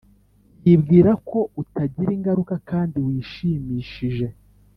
yibwira ko utagira ingaruka kandi wishimishije.